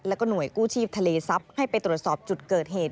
แล้วก็หน่วยกู้ชีพทะเลทรัพย์ให้ไปตรวจสอบจุดเกิดเหตุ